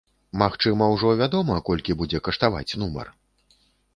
Магчыма, ужо вядома, колькі будзе каштаваць нумар?